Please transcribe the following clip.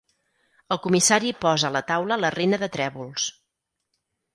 El comissari posa a la taula la reina de trèvols.